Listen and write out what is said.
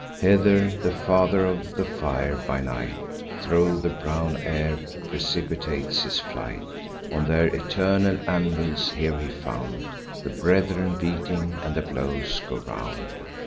Hither the Father of the Fire, by night, Thro' the brown air precipitates his flight. On their eternal anvils here he found The brethren beating, and the blows go round.